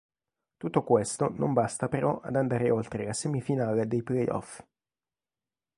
Tutto questo non basta però ad andare oltre la semifinale dei playoff.